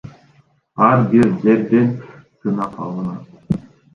Ар бир жерден сынам алынат.